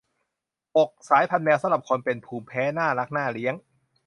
หก สายพันธุ์แมวสำหรับคนเป็นภูมิแพ้ น่ารัก น่าเลี้ยง